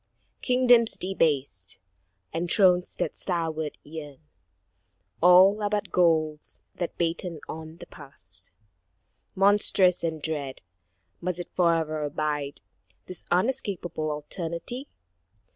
Kingdoms debased, and thrones that starward yearn, All are but ghouls that batten on the past. Monstrous and dread, must it fore'er abide, This unescapable alternity?